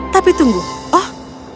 tapi tunggu oh